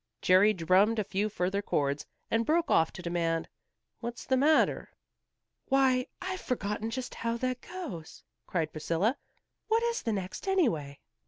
Jerry drummed a few further chords, and broke off to demand, "What's the matter?" "Why, I've forgotten just how that goes," cried Priscilla. "What is the next, anyway?"